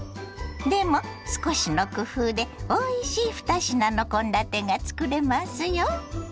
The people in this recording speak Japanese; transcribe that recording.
でも少しの工夫でおいしい２品の献立がつくれますよ。